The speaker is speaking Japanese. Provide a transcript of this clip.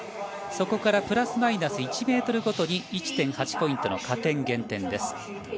そこからプラスマイナス１ｍごとに１．８ポイントの加点、減点です。